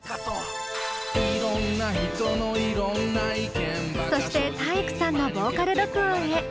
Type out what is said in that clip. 「いろんな人のいろんな意見」そして体育さんのボーカル録音へ。